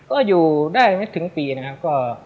ก็อยู่ได้ไม่ถึงปีนะครับ